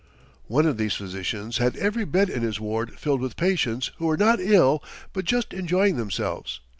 One of these physicians had every bed in his ward filled with patients who were not ill but just enjoying themselves.